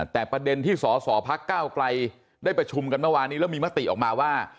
แต่ประเด็นที่สอสอพักก้าวไกลได้ประชุมกันเมื่อวานนี้แล้วมีมติออกมาว่า